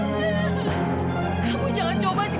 kamu jangan coba